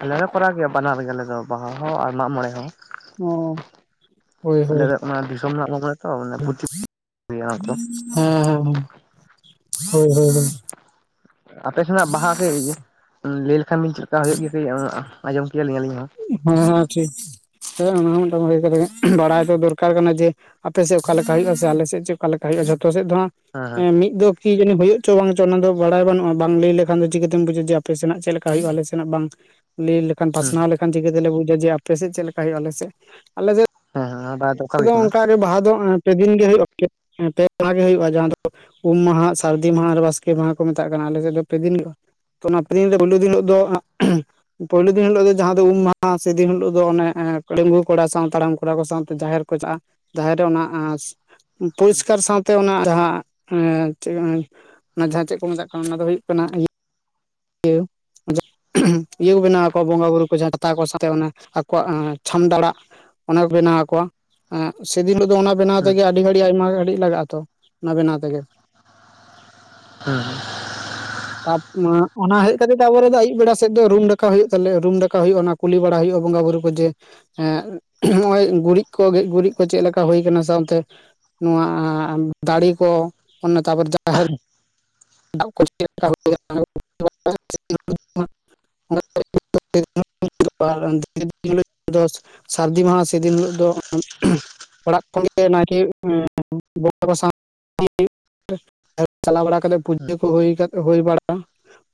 ᱟᱞᱮ ᱞᱮ ᱠᱚᱨᱟᱣ ᱜᱮᱭᱟ ᱵᱟᱱᱟᱨ ᱜᱮ ᱟᱞᱮ ᱫᱚ ᱵᱟᱦᱟ ᱦᱚᱸ ᱟᱨ ᱢᱟᱜ ᱢᱚᱬᱮ ᱦᱚᱸ ᱚ ᱦᱳᱭ ᱟᱞᱮ ᱦᱳᱭ ᱫᱚ ᱚᱱᱟ ᱫᱤᱥᱚᱢ ᱨᱮᱱᱟᱜ ᱢᱟᱜ ᱢᱚᱲᱮ ᱛᱚ [inaudible] ᱚᱱᱛᱮ ᱦᱮᱸ ᱦᱮᱸ ᱦᱳᱭ ᱦᱳᱭ ᱦᱳᱭ ᱟᱯᱮ ᱥᱮᱱᱟᱜ ᱵᱟᱦᱟ ᱠᱟᱹᱡ ᱞᱟᱹᱭ ᱞᱮᱠᱷᱟᱱ ᱵᱤᱱ ᱪᱮᱫ ᱞᱮᱠᱟ ᱦᱩᱭᱩᱜ ᱜᱮᱭᱟ ᱠᱟᱹᱡ ᱟᱸᱡᱚᱢ ᱠᱮᱭᱟᱞᱤᱧ ᱟᱹᱞᱤᱧ ᱦᱚᱸ ᱦᱮᱸ ᱦᱮᱸ ᱴᱷᱤᱠ ᱦᱮᱸ ᱚᱱᱟ ᱦᱚᱸ ᱢᱤᱫᱴᱟᱝ ᱵᱷᱟᱜᱮ [unintelligible] ᱵᱟᱲᱟᱭ ᱫᱚ ᱫᱚᱨᱠᱟᱨ ᱠᱟᱱᱟ ᱡᱮ ᱟᱯᱮᱥᱮᱫ ᱚᱠᱟᱞᱮᱠᱟ ᱦᱩᱭᱩᱜ ᱟ ᱥᱮ ᱟᱞᱮᱥᱮᱫ ᱪᱮᱫ ᱚᱠᱟᱞᱮᱠᱟ ᱦᱩᱭᱩᱜᱼᱟ, ᱡᱷᱚᱛᱚ ᱥᱮᱫ ᱫᱚ ᱦᱟ ᱦᱮᱸ ᱦᱮᱸ ᱢᱤᱫ ᱫᱚ ᱠᱤ ᱡᱟᱹᱱᱤ ᱦᱩᱭᱩᱜ ᱪᱚ ᱵᱟᱝ ᱪᱚ ᱚᱱᱟ ᱫᱚ ᱵᱟᱲᱟᱭ ᱵᱟᱹᱱᱩᱜᱼᱟ ᱵᱟᱝ ᱞᱟᱹᱭ ᱞᱮᱠᱷᱟᱱ ᱫᱚ ᱪᱤᱠᱟᱹᱛᱮᱢ ᱵᱩᱡᱟ ᱡᱮ ᱟᱯᱮ ᱥᱮᱱᱟᱜ ᱪᱮᱫ ᱞᱮᱠᱟ ᱦᱩᱭᱩᱜᱼᱟ ᱟᱞᱮ ᱥᱮᱱᱟᱜ ᱵᱟᱝ ᱞᱟᱹᱭ ᱞᱮᱠᱷᱟᱱ ᱦᱩᱸ ᱯᱟᱥᱱᱟᱣ ᱞᱮᱠᱷᱟᱱ ᱪᱤᱠᱟᱹᱛᱮᱞᱮ ᱵᱩᱡᱟ ᱡᱮ ᱟᱯᱮᱥᱮᱫ ᱪᱮᱫ ᱞᱮᱠᱟ ᱦᱩᱭᱩᱜᱼᱟ ᱟᱞᱮᱥᱮᱫ, ᱟᱞᱮᱥᱮᱫ ᱦᱮᱸ ᱦᱮᱸ [unintelligible] ᱟ ᱫᱚ ᱚᱱᱠᱟᱜᱮ ᱵᱟᱦᱟ ᱫᱚ ᱯᱮ ᱫᱤᱱ ᱜᱮ ᱦᱩᱭᱩᱜᱼᱟ ᱯᱮ ᱢᱟᱦᱟ ᱜᱮ ᱦᱩᱭᱩᱜᱼᱟ ᱡᱟᱦᱟᱸ ᱫᱚ ᱩᱢ ᱢᱟᱦᱟ ᱥᱟᱨᱫᱤ ᱢᱟᱦᱟ ᱟᱨ ᱵᱟᱥᱠᱮ ᱢᱟᱦᱟ ᱠᱚ ᱢᱮᱛᱟᱜ ᱠᱟᱱᱟ ᱟᱞᱮᱥᱮᱫ ᱫᱚ ᱯᱮ ᱫᱤᱱ ᱜᱮ ᱛᱚ ᱚᱱᱟ ᱯᱮ ᱫᱤᱱ ᱯᱳᱭᱞᱳ ᱫᱤᱱ ᱦᱤᱞᱳᱜ ᱫᱚ ᱯᱳᱭᱞᱳ ᱫᱤᱱ ᱦᱤᱞᱳᱜ ᱫᱚ ᱡᱟᱦᱟᱸ ᱫᱚ ᱩᱢ ᱢᱟᱦᱟ ᱥᱮᱫᱤᱱ ᱦᱤᱞᱳᱜ ᱫᱚ ᱚᱱᱮ ᱰᱟᱜᱩᱣᱟᱹ ᱠᱚᱲᱟ ᱥᱟᱶ ᱦᱟᱲᱟᱢ ᱠᱚᱲᱟ ᱠᱚ ᱥᱟᱶᱛᱮ ᱡᱟᱦᱮᱨ ᱪᱟᱜᱼᱟ ᱡᱟᱦᱟᱸᱨᱮ ᱚᱱᱟ ᱦᱩᱸ ᱯᱚᱨᱤᱥᱠᱟᱨ ᱥᱟᱶᱛᱮ ᱚᱱᱟ ᱡᱟᱦᱟᱸ ᱮ [unintelligible] ᱚᱱᱟ ᱡᱟᱦᱟᱸ ᱪᱮᱫ ᱠᱚ ᱢᱮᱛᱟᱜ ᱠᱟᱱᱟ ᱚᱱᱟ ᱫᱚ ᱦᱩᱭᱩᱜ ᱠᱟᱱᱟ ᱤᱭᱟᱹ [unintelligible] ᱤᱭᱟᱹ ᱠᱚ ᱵᱮᱱᱟᱣ ᱟᱠᱚ ᱵᱚᱸᱜᱟᱼᱵᱩᱨᱩ ᱠᱚ ᱡᱟᱦᱟᱸ ᱪᱷᱟᱛᱟ ᱠᱚ ᱥᱟᱶᱛᱮ ᱚᱱᱟ ᱟᱠᱚᱣᱟᱜ ᱪᱷᱟᱢᱰᱟᱲᱟᱜ ᱚᱱᱟ ᱠᱚ ᱵᱮᱱᱟᱣ ᱟᱠᱚᱣᱟ ᱮᱸ ᱥᱮᱫᱤᱱ ᱦᱤᱞᱳᱜ ᱫᱚ ᱚᱱᱟ ᱵᱮᱱᱟᱣ ᱦᱩᱸ ᱛᱮᱜᱮ ᱟᱹᱰᱤ ᱜᱷᱟᱹᱲᱤᱡ ᱟᱭᱢᱟ ᱜᱷᱟᱹᱲᱤᱡ ᱞᱟᱜᱟᱜᱼᱟ ᱛᱚ ᱚᱱᱟ ᱵᱮᱱᱟᱣ ᱛᱮᱜᱮ ᱦᱩᱸ ᱦᱩᱸ [unintelligible] ᱚᱱᱟ ᱦᱮᱡ ᱠᱟᱛᱮ ᱛᱟᱨᱯᱚᱨᱮ ᱫᱚ ᱟᱹᱭᱩᱵ ᱵᱮᱲᱟ ᱥᱮᱫ ᱫᱚ ᱨᱩᱢ ᱰᱟᱠᱟᱣ ᱦᱩᱭᱩᱜ ᱛᱟᱞᱮᱭᱟ ᱨᱩᱢ ᱰᱟᱠᱟᱣ ᱦᱩᱭᱩᱜᱼᱟ ᱚᱱᱟ ᱠᱩᱞᱤ ᱵᱟᱲᱟ ᱦᱩᱭᱩᱜᱼᱟ ᱵᱚᱸᱜᱟ ᱵᱩᱨᱩ ᱠᱚ ᱡᱮ ᱦᱮᱸ ᱱᱚᱜᱼᱚᱭ ᱜᱩᱨᱤᱡ ᱠᱚ ᱜᱮᱡ ᱜᱩᱨᱤᱡ ᱠᱚ ᱪᱮᱫ ᱞᱮᱠᱟ ᱦᱳᱭ ᱟᱠᱟᱱᱟ ᱥᱮ ᱚᱱᱛᱮ ᱱᱚᱣᱟ ᱫᱟᱲᱮ ᱠᱚ ᱚᱱᱟ [unintelligible] [inaudible] [inaudible] [inaudible] ᱥᱟᱨᱫᱤ ᱢᱟᱦᱟ ᱥᱮᱫᱤᱱ ᱦᱤᱞᱳᱜ ᱫᱚ ᱚᱲᱟᱜ ᱠᱷᱚᱱᱜᱮ ᱱᱟᱭᱠᱮ ᱮᱸ [inaudible] ᱵᱚᱸᱜᱟ ᱠᱚ ᱥᱟᱶ [inaudible] ᱪᱟᱞᱟᱣ ᱵᱟᱲᱟ ᱠᱟᱛᱮᱫ ᱯᱩᱡᱟᱹ ᱠᱚ ᱦᱳᱭ ᱦᱳᱭ ᱵᱟᱲᱟᱜᱼᱟ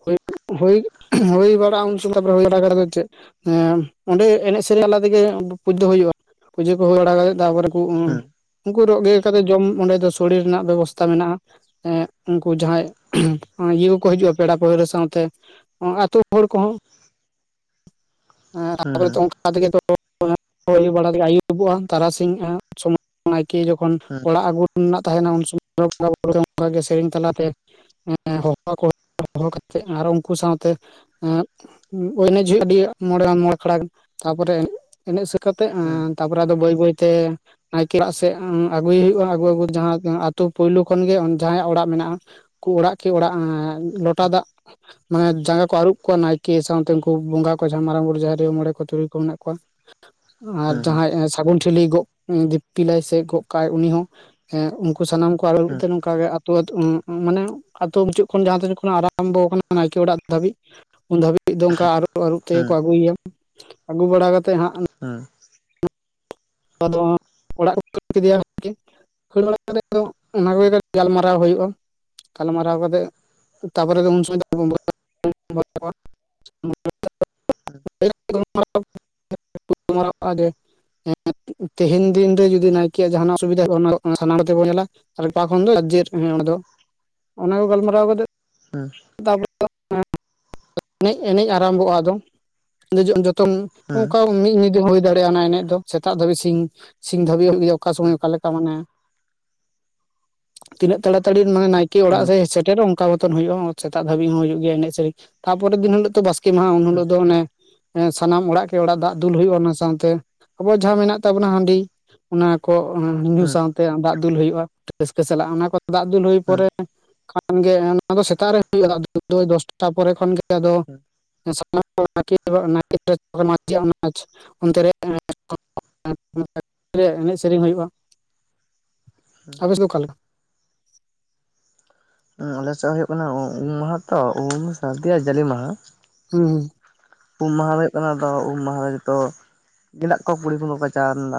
ᱦᱳᱭ ᱦᱳᱭ ᱦᱳᱭ ᱵᱟᱲᱟᱜᱼᱟ ᱩᱱ [unintelligible] ᱛᱟᱨᱯᱚᱨ ᱦᱩᱭ ᱵᱟᱲᱟ ᱠᱟᱛᱮ ᱟᱫᱚ ᱪᱮᱫ ᱦᱮᱸ ᱚᱸᱰᱮ ᱮᱱᱮᱡ ᱥᱮᱨᱮᱧ ᱛᱟᱞᱟ ᱛᱮᱜᱮ ᱯᱩᱡᱟᱹ ᱫᱚ ᱦᱩᱭᱩᱜᱼᱟ ᱯᱩᱡᱟᱹ ᱠᱚ ᱦᱩᱭ ᱵᱟᱲᱟ ᱠᱟᱛᱮᱫ ᱛᱟᱯᱚᱨᱮ ᱠᱩ ᱦᱩᱸ [unintelligible] ᱩᱱᱠᱩ ᱨᱚ ᱜᱮᱫ ᱠᱟᱛᱮᱫ ᱡᱚᱢ ᱚᱸᱰᱮ ᱫᱚ ᱥᱚᱲᱮ ᱨᱮᱱᱟᱜ ᱵᱮᱵᱚᱥᱛᱟ ᱢᱮᱱᱟᱜᱼᱟ᱾ ᱮᱸ ᱩᱱᱠᱩ ᱡᱟᱦᱟᱸᱭ ᱤᱭᱟᱹ ᱠᱚᱠᱚ ᱦᱤᱡᱩᱜᱼᱟ ᱯᱮᱲᱟ ᱯᱟᱹᱲᱦᱟᱹ ᱥᱟᱶᱛᱮ ᱟᱛᱩ ᱦᱚᱲ ᱠᱚᱦᱚᱸ ᱾ ᱦᱮᱸ ᱛᱯᱚᱨᱮᱚ ᱦᱩᱸ ᱫᱚ ᱚᱱᱠᱟᱮ ᱛᱚ ᱵᱟᱲᱟᱜ ᱟᱭᱩᱵᱚᱜᱼᱟ ᱛᱟᱨᱟᱥᱤᱧᱚᱜᱼᱟ ᱥᱚᱢᱚᱭ ᱱᱟᱭᱠᱮ ᱡᱚᱠᱷᱚᱱ ᱦᱩᱸ ᱚᱲᱟᱜ ᱟᱹᱜᱩ ᱨᱮᱱᱟᱜ ᱛᱟᱦᱮᱱᱟ ᱩᱱ ᱥᱚᱢᱚᱭ ᱵᱚᱸᱜᱟ ᱵᱩᱨᱩ ᱚᱱᱠᱟ ᱜᱮ ᱥᱮᱨᱮᱧ ᱛᱟᱞᱟᱛᱮ ᱦᱚᱦᱚᱣᱟᱠᱚ ᱦᱚᱦᱚ ᱠᱟᱛᱮ ᱟᱨ ᱩᱱᱠᱩ ᱥᱟᱶᱛᱮ ᱮᱸ ᱮᱱᱮᱡ ᱦᱩᱭᱩᱜ ᱟᱹᱰᱤ ᱢᱚᱬᱮ ᱢᱚᱬᱮ ᱟᱠᱷᱲᱟ ᱜᱟᱱ ᱛᱟᱯᱚᱨᱮ ᱮᱱᱮᱡ ᱥᱟᱹᱛ ᱠᱟᱛᱮ ᱦᱩᱸ ᱛᱟᱯᱚᱨᱮ ᱟᱫᱚ ᱵᱟᱹᱭ ᱵᱟᱹᱭ ᱛᱮ ᱱᱟᱭᱠᱮ ᱚᱲᱟᱜ ᱥᱮᱫ ᱟᱹᱜᱩᱭᱮ ᱦᱩᱭᱩᱜᱼᱟ ᱟᱹᱜᱩ ᱟᱹᱜᱩ ᱡᱟᱦᱟ ᱟᱛᱩ ᱯᱩᱭᱞᱩ ᱠᱷᱚᱱ ᱜᱮ ᱡᱟᱦᱟᱸᱭᱟᱜ ᱚᱲᱟᱜ ᱢᱮᱱᱟᱜᱼᱟ ᱠᱚ ᱚᱲᱟᱜ ᱠᱮ ᱚᱲᱟᱜ ᱮᱸ ᱞᱚᱴᱟ ᱦᱩᱸ ᱫᱟᱜ ᱢᱟᱱᱮ ᱡᱟᱸᱜᱟ ᱠᱚ ᱟᱹᱨᱩᱵ ᱠᱚᱣᱟ ᱱᱟᱭᱠᱮ ᱥᱟᱶᱛᱮ ᱩᱱᱠᱩ ᱵᱚᱸᱜᱟ ᱠᱚ ᱡᱟᱦᱟᱸᱭ ᱢᱟᱨᱟᱝ ᱵᱩᱨᱩ ᱡᱟᱦᱮᱨ ᱟᱭᱚ ᱢᱚᱬᱮ ᱠᱚ ᱛᱩᱨᱩᱭ ᱠᱚ ᱢᱮᱱᱟᱜ ᱠᱚᱣᱟ ᱾ ᱟᱨ ᱦᱩᱸ ᱦᱩᱸ ᱡᱟᱦᱟᱸᱭ ᱥᱟᱹᱜᱩᱱ ᱴᱷᱤᱞᱤᱭ ᱜᱚᱜ ᱫᱤᱯᱤᱞᱟᱭ ᱥᱮ ᱜᱚᱜ ᱠᱟᱜ ᱟᱭ ᱩᱱᱤ ᱦᱚᱸ ᱾ ᱩᱱᱠᱩ ᱥᱟᱱᱟᱢ ᱠᱚ ᱟᱨᱩᱵ ᱦᱩᱸ ᱚᱱᱠᱟᱜᱮ ᱟᱹᱛᱩ ᱟᱹᱛᱩ ᱢᱟᱱᱮ ᱟᱛᱩ ᱢᱩᱪᱟᱹᱫ ᱠᱷᱚᱱ ᱡᱟᱦᱟᱸ ᱛᱤᱱ ᱠᱷᱚᱱᱟᱜ ᱟᱨᱟᱢᱵᱚ ᱟᱠᱟᱱᱟ ᱱᱟᱭᱠᱮ ᱚᱲᱟᱜ ᱫᱷᱟᱹᱵᱤᱡ ᱩᱱ ᱫᱷᱟᱹᱵᱤᱡ ᱫᱚ ᱚᱱᱠᱟ ᱟᱨᱚ ᱟᱹᱨᱩᱵ ᱛᱮᱜᱮ ᱦᱩᱸ ᱠᱚ ᱦᱩᱸ ᱟᱹᱜᱩᱭᱮᱭᱟ᱾ ᱟᱹᱜᱩ ᱵᱟᱲᱟ ᱠᱟᱛᱮᱫ ᱦᱟᱸᱜ ᱦᱩᱸ ᱦᱩᱸ ᱦᱩᱸ ᱟᱫᱚ ᱚᱲᱟᱜ ᱠᱚ ᱠᱷᱟᱹᱲ ᱠᱮᱫᱮᱭᱟ ᱟᱨᱠᱤ ᱠᱷᱟᱹᱲ ᱵᱟᱲᱟ ᱠᱟᱛᱮ ᱫᱚ ᱚᱱᱟ ᱠᱚᱜᱮ ᱜᱟᱞᱢᱟᱨᱟᱣ ᱦᱩᱭᱩᱜᱼᱟ ᱾ ᱜᱟᱞᱢᱟᱨᱟᱣ ᱠᱟᱛᱮᱫ ᱛᱟᱨᱯᱚᱨᱮ ᱫᱚ ᱩᱱ ᱥᱚᱢᱚᱭ ᱫᱚ [unintelligible] ᱟᱨᱟᱨ ᱜᱮ [unintelligible] ᱛᱮᱦᱮᱧ ᱫᱤᱱ ᱨᱮ ᱡᱩᱫᱤ ᱱᱟᱭᱠᱮᱭᱟᱜ ᱡᱟᱦᱟᱱᱟᱜ ᱚᱥᱩᱵᱤᱫᱷᱟ ᱦᱩᱭᱩᱜᱼᱟ ᱚᱱᱟ ᱥᱟᱱᱟᱢ ᱛᱮᱵᱚᱱ ᱧᱮᱞᱟ ᱾ ᱟᱨ ᱚᱠᱟ ᱠᱷᱚᱱ ᱫᱚ ᱡᱟᱨᱡᱮᱨ ᱦᱮᱸ ᱚᱸᱰᱮ ᱫᱚ ᱚᱱᱟ ᱠᱚ ᱜᱟᱞᱢᱟᱨᱟᱣ ᱠᱟᱛᱮ [inaudible] ᱮᱱᱮᱡ ᱟᱨᱟᱢᱵᱷᱚᱜᱼᱟ ᱟᱫᱚ ᱾ ᱡᱚᱛᱚᱱ ᱚᱱᱠᱟ ᱢᱤᱫ ᱧᱤᱫᱟᱹ ᱦᱩᱭ ᱫᱟᱲᱮᱭᱟᱜᱼᱟ ᱚᱱᱟ ᱮᱱᱮᱡ ᱫᱚ ᱥᱮᱛᱟᱜ ᱫᱷᱟᱹᱵᱤᱡ ᱥᱤᱧ ᱥᱤᱧ ᱫᱷᱟᱹᱵᱤᱡ ᱜᱮ ᱚᱠᱟ ᱥᱚᱢᱚᱭ ᱚᱠᱟᱞᱮᱠᱟ ᱢᱟᱱᱮ [inaudible] ᱛᱤᱱᱟᱹᱜ ᱛᱟᱲᱟ ᱛᱟᱹᱲᱤ ᱢᱟᱱᱮ ᱱᱟᱭᱠᱮ ᱦᱩᱸ ᱚᱲᱟᱜ ᱥᱮᱫ ᱥᱮᱴᱮᱨᱚᱜ ᱚᱱᱠᱟ ᱢᱚᱛᱚᱱ ᱦᱩᱭᱩᱜᱼᱟ ᱾ ᱥᱮᱛᱟᱜ ᱫᱷᱟᱹᱵᱤᱡ ᱦᱚᱸ ᱦᱩᱭᱩᱜ ᱜᱮᱭᱟ ᱮᱱᱮᱡ ᱥᱮᱨᱮᱧ ᱛᱟᱯᱚᱨᱮ ᱫᱤᱱ ᱦᱤᱞᱚᱜ ᱫᱚ ᱵᱟᱥᱠᱮ ᱢᱟᱦᱟ ᱩᱱ ᱦᱤᱞᱚᱜ ᱫᱚ ᱚᱱᱮ ᱥᱟᱱᱟᱢ ᱚᱲᱟᱜ ᱠᱮ ᱚᱲᱟᱜ ᱫᱟᱜ ᱫᱩᱞ ᱦᱩᱭᱩᱜᱼᱟ᱾ ᱚᱱᱟ ᱥᱟᱶᱛᱮ ᱟᱵᱚ ᱡᱟᱦᱟᱸ ᱢᱮᱱᱟᱜ ᱛᱟᱵᱚᱱᱟ ᱦᱟᱺᱰᱤ ᱚᱱᱟ ᱠᱚ ᱦᱩᱸ ᱧᱩᱸ ᱦᱩᱸ ᱥᱟᱶᱛᱮ ᱫᱟᱜ ᱫᱩᱞ ᱦᱩᱭᱩᱜᱼᱟ ᱾ ᱨᱟᱹᱥᱠᱟᱹ ᱥᱟᱞᱟᱜ ᱚᱱᱟ ᱠᱚ ᱫᱟᱜ ᱫᱩᱞ ᱦᱩᱭ ᱦᱩᱸ ᱯᱚᱨᱮ ᱠᱷᱟᱱ ᱜᱮ ᱚᱱᱟ ᱫᱚ ᱥᱮᱛᱟᱜ ᱨᱮ ᱦᱩᱭᱩᱜᱼᱟ ᱫᱟᱜ ᱫᱩᱞ ᱫᱚ ᱫᱚᱥᱴᱟ ᱯᱚᱨᱮ ᱠᱷᱚᱱᱜᱮ ᱟᱫᱚ ᱦᱩᱸ ᱟᱱᱟᱢ ᱱᱟᱠ ᱱᱟᱭᱠ [unintelligible] ᱚᱱᱛᱮᱨᱮ ᱮᱱᱮᱡ ᱥᱮᱨᱮᱧ ᱦᱩᱭᱩᱜᱼᱟ᱾ ᱟᱯᱮ ᱥᱮᱫ ᱫᱚ ᱚᱠᱟᱞᱮᱠᱟ? ᱟᱞᱮᱥᱮᱫ ᱦᱩᱭᱩᱜ ᱠᱟᱱᱟ ᱩᱢ ᱢᱟᱦᱟ ᱛᱚ ᱩᱢ ᱥᱟᱹᱨᱫᱤᱭᱟᱜ ᱡᱟᱞᱮ ᱢᱟᱦᱟ ᱦᱩᱸ ᱦᱩᱸ ᱾ ᱩᱢ ᱢᱟᱦᱟ ᱫᱚ ᱦᱩᱭᱩᱜ ᱠᱟᱱᱟ ᱫᱚ ᱩᱢ ᱢᱟᱦᱟ ᱨᱮ ᱡᱚᱛᱚ ᱜᱮᱸᱫᱟᱜ ᱠᱚᱣᱟ ᱠᱩᱲᱤ ᱠᱚᱫᱚ ᱠᱟᱪᱟᱣᱫᱟ